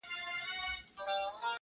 سمدستي یې پلرنی عادت په ځان سو-